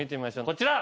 こちら。